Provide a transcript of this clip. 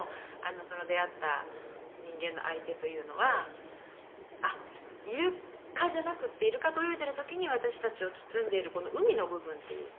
「その出会った人間の相手というのはあっイルカじゃなくてイルカと泳いでいる時に私たちを包んでいるこの海の部分っていうか」